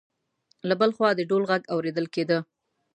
له بل خوا د ډول غږ اوریدل کېده.